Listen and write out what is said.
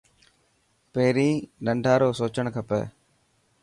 پهرين ننڍان رو سوچڻ کپي.